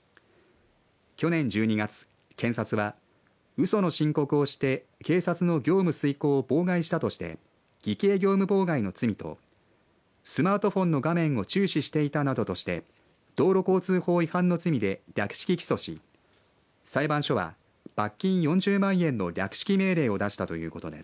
去年１２月、検察はうその申告をして警察の業務遂行を妨害したとして偽計業務妨害の罪とスマートフォンの画面を注視していたなどとして道路交通法違反の罪で略式起訴し裁判所は罰金４０万円の略式命令を出したということです。